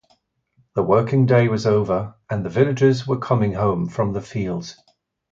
The working day was over, and the villagers were coming home from the fields.